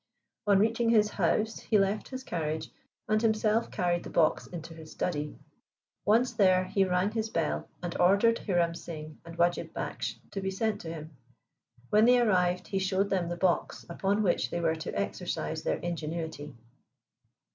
On reaching his house he left his carriage, and himself carried the box into his study. Once there he rang his bell and ordered Hiram Singh and Wajib Baksh to be sent to him. When they arrived he showed them the box upon which they were to exercise their ingenuity.